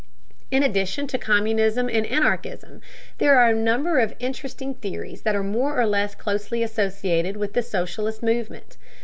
In addition to communism and anarchism, there are a number of interesting theories that are more or less closely associated with the socialist movement.